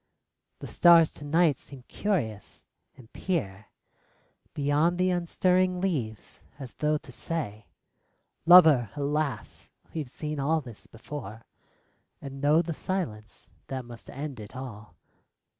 ... The stars to night seem curious, and peer Beyond the unstirring leaves, as tho' to say: "Lover, alas ! we 've seen all this before, And know the silence that must end it all."